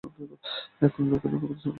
এখন লোকে আমার সমালোচনা করিতে পারে।